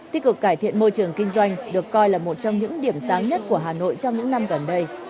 tích cực cải thiện môi trường kinh doanh được coi là một trong những điểm sáng nhất của hà nội trong những năm gần đây